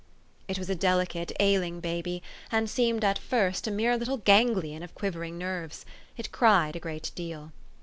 It was a delicate, ailing baby, and seemed at first a mere little ganglion of quivering nerves. It cried a great deal.